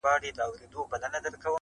لوڅ لپړ وو په كوټه كي درېدلى-